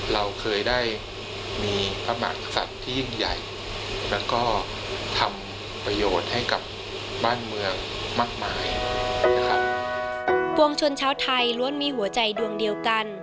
เราเคยได้มีพระมักษัตริย์ที่ยิ่งใหญ่